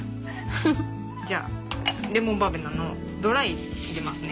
じゃあレモンバーベナのドライ入れますね。